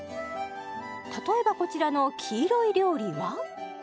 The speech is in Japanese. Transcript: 例えばこちらの黄色い料理は？